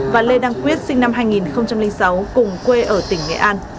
và lê đăng quyết sinh năm hai nghìn sáu cùng quê ở tỉnh nghệ an